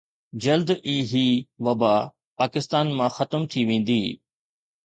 جلد ئي هي وبا پاڪستان مان ختم ٿي ويندي